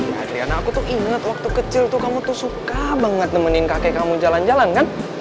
adriana aku tuh inget waktu kecil tuh kamu tuh suka banget nemenin kakek kamu jalan jalan kan